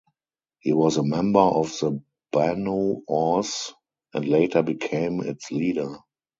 He was a member of the Banu Aws and later became its leader.